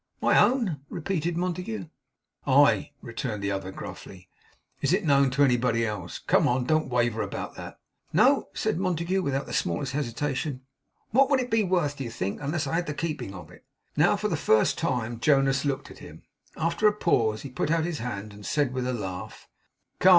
'My own!' repeated Montague. 'Aye!' returned the other, gruffly. 'Is it known to anybody else? Come! Don't waver about that.' 'No!' said Montague, without the smallest hesitation. 'What would it be worth, do you think, unless I had the keeping of it?' Now, for the first time, Jonas looked at him. After a pause, he put out his hand, and said, with a laugh: 'Come!